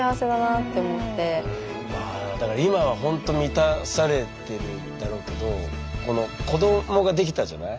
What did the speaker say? あだから今はほんと満たされてるだろうけど子どもができたじゃない？